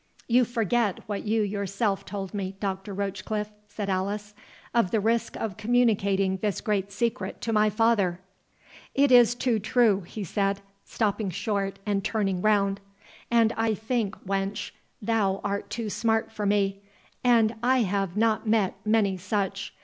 "You forget what you yourself told me, Doctor Rochecliffe," said Alice, "of the risk of communicating this great secret to my father." "It is too true," he said, stopping short and turning round; "and I think, wench, thou art too smart for me, and I have not met many such.